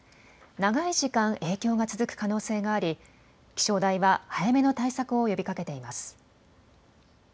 長い時間、影響が続く可能性があり気象台は早めの対策を呼びかけています。